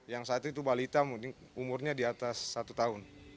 yang satu itu balita umurnya di atas satu tahun